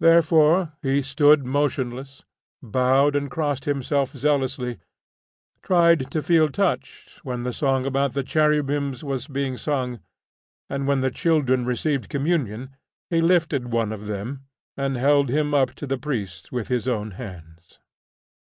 Therefore, he stood motionless, bowed and crossed himself zealously, tried to feel touched when the song about the cherubims was being sung, and when the children received communion he lifted one of them, and held him up to the priest with his own hands.